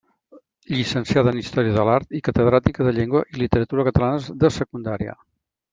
Llicenciada en història de l'art i catedràtica de llengua i literatura catalanes de secundària.